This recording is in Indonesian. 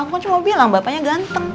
aku kan cuma mau bilang bapaknya ganteng